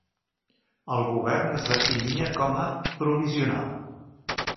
El govern es definia com a 'provisional'.